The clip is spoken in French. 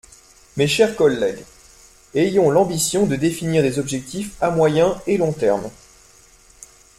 Mes chers collègues, ayons l’ambition de définir des objectifs à moyen et long terme.